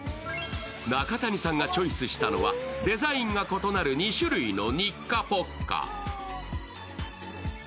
中谷さんがチョイスしたのはデザインが異なる２種類のニッカポッカ。